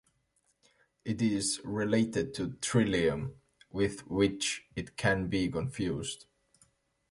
It is related to "Trillium", with which it can be confused.